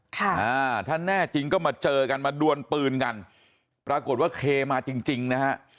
อ่าถ้าแน่จริงก็มาเจอกันมาดวนปืนกันปรากฏว่าเคมาจริงจริงนะฮะ